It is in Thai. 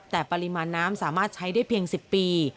แต่ปริมาณน้ำสามารถใช้ได้เพียง๑๐ปี